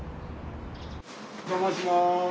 お邪魔します。